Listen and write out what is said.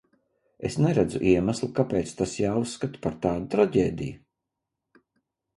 Es neredzu iemesla, kāpēc tas jāuzskata par tādu traģēdiju.